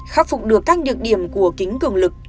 khắc phục được các nhược điểm của kính cường lực